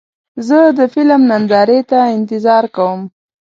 زه د فلم نندارې ته انتظار کوم.